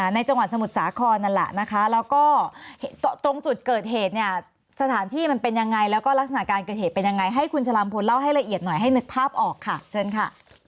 ในจังหวัดสมุทรสาครนั่นแหละนะคะแล้วก็ตรงจุดเกิดเหตุเนี่ยสถานที่มันเป็นยังไงแล้วก็ลักษณะการเกิดเหตุเป็นยังไงให้คุณฉลามพลเล่าให้ละเอียดหน่อยให้นึกภาพออกค่ะเชิญค่ะ